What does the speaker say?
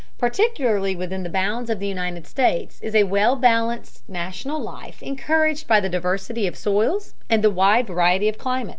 Particularly within the bounds of the United States is a well balanced national life encouraged by the diversity of soils and the wide variety of climate.